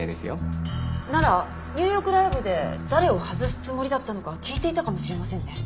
ならニューヨークライブで誰を外すつもりだったのか聞いていたかもしれませんね。